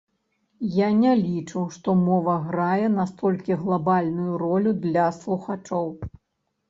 Я не лічу, што мова грае настолькі глабальную ролю для слухачоў.